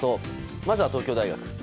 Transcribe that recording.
まずは東京大学。